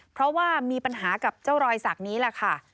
เพราะว่ามีปัญหากับเจ้ารอยสักนี้แหละค่ะ